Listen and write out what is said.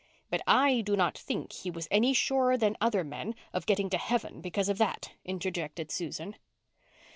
"But I do not think he was any surer than other men of getting to heaven because of that," interjected Susan.